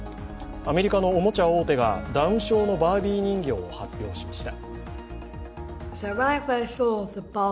アメリカのおもちゃ大手がダウン症のバービー人形を発表しました。